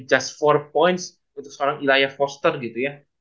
just empat poin untuk seorang ilai foster gitu ya